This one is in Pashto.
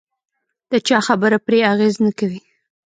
د چا خبره پرې اغېز نه کوي.